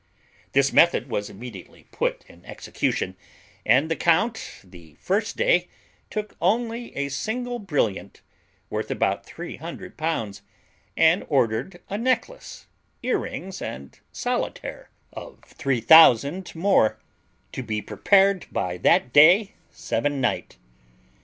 This method was immediately put in execution, and the count the first day took only a single brilliant, worth about three hundred pounds, and ordered a necklace, earrings, and solitaire, of the of three thousand more, to be prepared by that day sevennight.